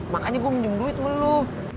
makanya gue minum duit melulu